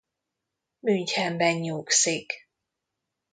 Münchenben nyugszik.